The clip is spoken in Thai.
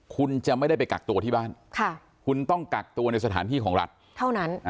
คุณจะไม่ได้ไปกักตัวที่บ้านคุณต้องกักตัวในสถานที่ของรัฐเท่านั้น